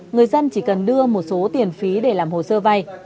người dân chỉ cần đưa một số tiền phí để làm hồ sơ vay